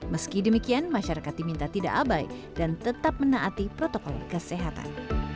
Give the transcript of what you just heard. meski demikian masyarakat diminta tidak abai dan tetap menaati protokol kesehatan